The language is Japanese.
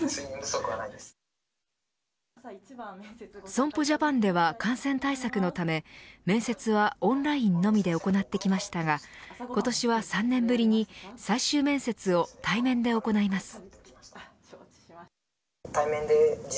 損保ジャパンでは感染対策のため面接はオンラインのみで行ってきましたが今年は３年ぶりに最終面接を対面で行います。